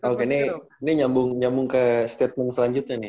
oke ini nyambung ke statement selanjutnya